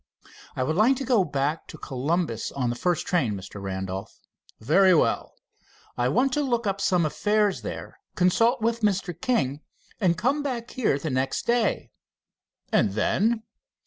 "I would like to go back to Columbus on the first train, Mr. Randolph." "Very well." "I want to look up some affairs there, consult with Mr. King, and come back here the next day." "And then?"